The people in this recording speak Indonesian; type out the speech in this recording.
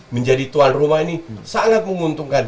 menjadi tuan rumah ini sangat menguntungkan